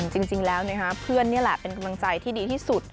จริงแล้วเพื่อนนี่แหละเป็นกำลังใจที่ดีที่สุด